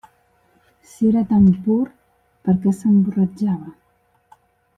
Si era tan pur, per què s'emborratxava?